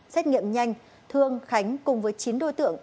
xét nghiệm nhanh thương khánh cùng với chín đối tượng